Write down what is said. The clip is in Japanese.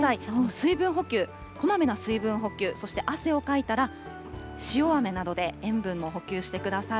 水分補給、こまめな水分補給、そして汗をかいたら、塩あめなどで塩分も補給してください。